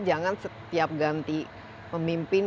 jangan setiap ganti pemimpin